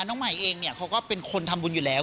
น้องใหม่เองเนี่ยเขาก็เป็นคนทำบุญอยู่แล้ว